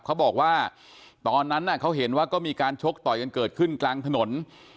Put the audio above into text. เขาบอกว่าตอนนั้นเขาเห็นว่าก็มีการชกต่อยกันเกิดขึ้นกลางถนน